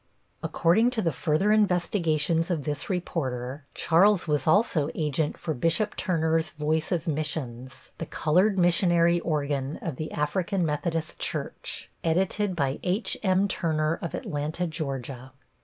According to the further investigations of this reporter, Charles was also agent for Bishop Turner's Voice of Missions, the colored missionary organ of the African Methodist Church, edited by H.M. Turner, of Atlanta, Georgia.